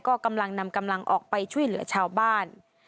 ก็กำลังนำกำลังออกไปช่วยเหลือชาวบ้าน